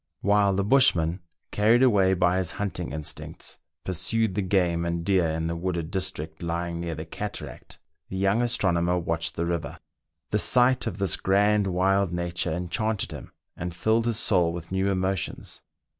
While the bushman, carried away by his hunting instincts, pursued the game and deer in the wooded district lying near the cataract, the young astronomer watched the river. The sight of this grand, wild nature enchanted him, and filled his soul with new emotions.